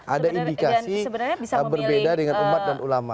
ada indikasi berbeda dengan ulama dan umat